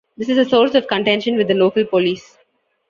This is a source of contention with the local police.